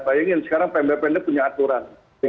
bayangin sekarang pembe pender punya aturan